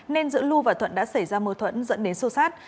nên giữa lu và thuận đã xảy ra mâu thuẫn dẫn đến sâu sát